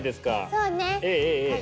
そうね！